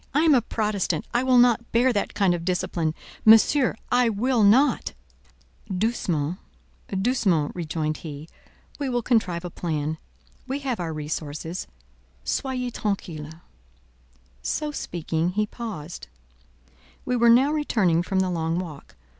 I am a Protestant: I will not bear that kind of discipline: Monsieur, I will not." "Doucement—doucement," rejoined he; "we will contrive a plan; we have our resources: soyez tranquille." So speaking, he paused. We were now returning from the long walk.